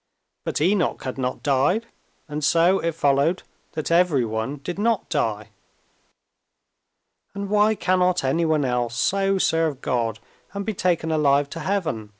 But Enoch had not died, and so it followed that everyone did not die. "And why cannot anyone else so serve God and be taken alive to heaven?"